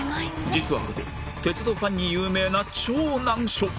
実はここ鉄道ファンに有名な超難所